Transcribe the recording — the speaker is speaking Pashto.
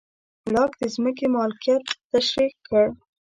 لاک د ځمکې مالکیت تشرېح کړ.